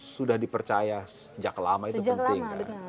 sudah dipercaya sejak lama itu penting kan